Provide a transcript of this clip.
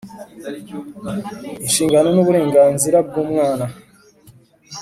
Inshingano n uburenganzira bw umwana